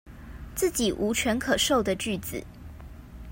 自己無權可授的句子